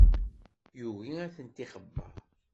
Yugi ad tent-ixebber.